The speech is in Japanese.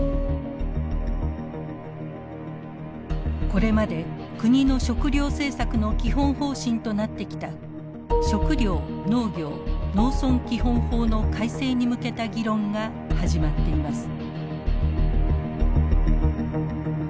これまで国の食料政策の基本方針となってきた「食料・農業・農村基本法」の改正に向けた議論が始まっています。